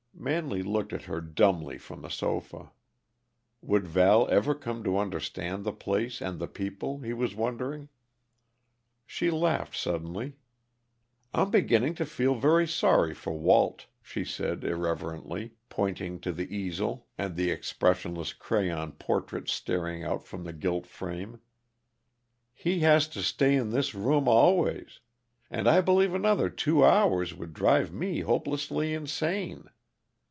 Manley looked at her dumbly from the sofa. Would Val ever come to understand the place, and the people, he was wondering. She laughed suddenly. "I'm beginning to feel very sorry for Walt," she said irrelevantly, pointing to the easel and the expressionless crayon portrait staring out from the gilt frame. "He has to stay in this room always. And I believe another two hours would drive me hopelessly insane."